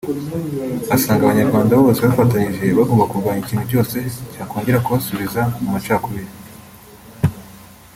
asanga Abanyarwanda bose bafatanyije bagomba kurwanya ikintu cyose cyakongera kubasubiza mu macakubiri